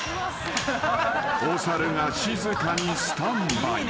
［お猿が静かにスタンバイ］